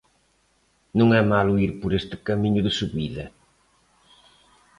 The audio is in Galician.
Non é malo ir por este camiño de subida.